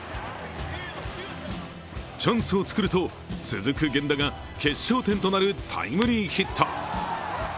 チャンスを作ると、続く源田が決勝点となるタイムリーヒット。